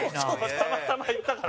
たまたま行ったから。